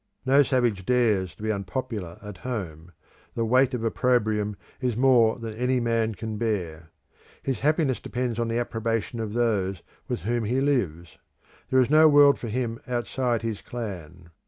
No savage dares to be unpopular at home; the weight of opprobrium is more than any man can bear. His happiness depends on the approbation of those with whom he lives; there is no world for him outside his clan.